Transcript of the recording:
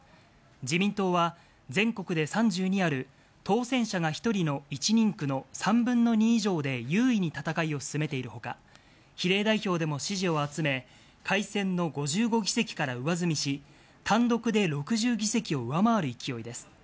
自民党は、全国で３２ある当選者が１人の１人区の３分の２以上で優位に戦いを進めているほか、比例代表でも支持を集め、改選の５５議席から上積みし、単独で６０議席を上回る勢いです。